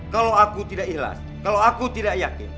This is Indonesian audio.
kalau aku tidak ikhlas kalau aku tidak yakin